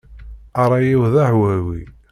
Ṛṛay-iw d ahwawi.